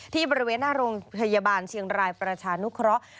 บริเวณหน้าโรงพยาบาลเชียงรายประชานุเคราะห์